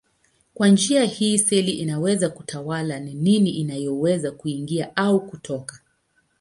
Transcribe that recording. Kwa njia hii seli inaweza kutawala ni nini inayoweza kuingia au kutoka.